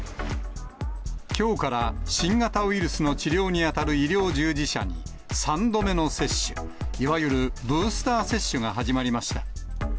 きょうから新型ウイルスの治療に当たる医療従事者に、３度目の接種、いわゆるブースター接種が始まりました。